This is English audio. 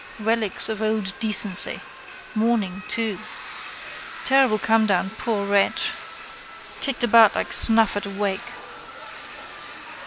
Relics of old decency. Mourning too. Terrible comedown, poor wretch! Kicked about like snuff at a wake.